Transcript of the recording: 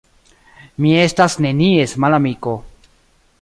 Mi estas nenies malamiko.